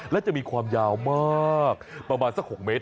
และจะมีความยาวมากประมาณสัก๖เมตร